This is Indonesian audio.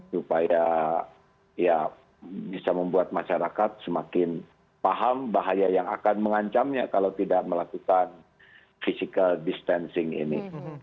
supaya ya bisa membuat masyarakat semakin paham bahaya yang akan mengancamnya kalau tidak melakukan physical distancing ini